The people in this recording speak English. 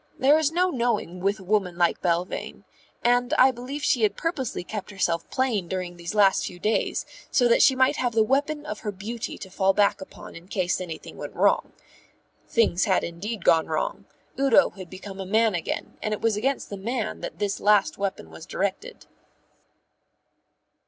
There is no knowing with a woman like Belvane; and I believe she had purposely kept herself plain during these last few days so that she might have the weapon of her beauty to fall back upon in case anything went wrong. Things had indeed gone wrong; Udo had become a man again; and it was against the man that this last weapon was directed.